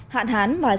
hạn hán và sâu